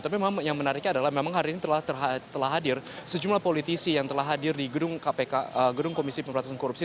tapi memang yang menariknya adalah memang hari ini telah hadir sejumlah politisi yang telah hadir di gedung komisi pemberantasan korupsi